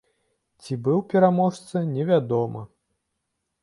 Ці быў пераможца, невядома.